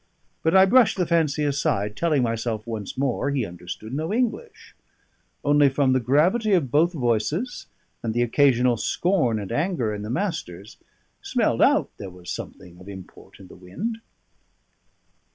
But I brushed the fancy aside, telling myself once more he understood no English; only, from the gravity of both voices, and the occasional scorn and anger in the Master's, smelled out there was something of import in the wind.